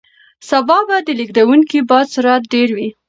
سبا به د لګېدونکي باد سرعت ډېر وي.